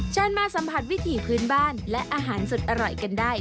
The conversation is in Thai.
เชิญมาสัมผัสวิถีพื้นบ้านและอาหารสุดอร่อยกันได้